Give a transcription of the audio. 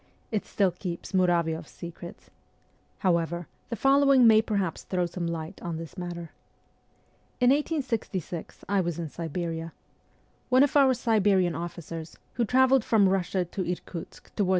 It still keeps Muravi6ff s secrets. However the following may perhaps throw some light on this matter. In 1866 I was in Siberia. One of our Siberian officers, who travelled from Eussia to Irkutsk toward ST.